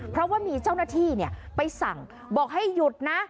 เพราะว่ามีเจ้าหน้าที่ไปสั่งบอกให้หยุดนะ